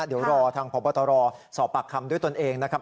เดี๋ยวรอทางพบตรสอบปากคำด้วยตนเองนะครับ